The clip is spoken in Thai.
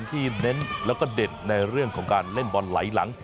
เน้นแล้วก็เด่นในเรื่องของการเล่นบอลไหลหลัง